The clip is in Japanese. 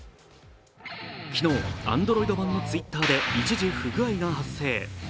昨日、Ａｎｄｒｏｉｄ版のＴｗｉｔｔｅｒで一時、不具合が発生。